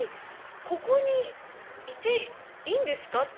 ここにいていいんですか？